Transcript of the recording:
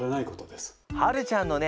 はるちゃんのね